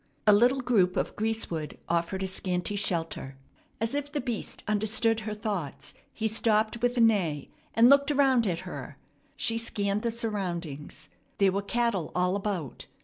A little group of greasewood offered a scanty shelter. As if the beast understood her thoughts he stopped with a neigh, and looked around at her. She scanned the surroundings. There were cattle all about.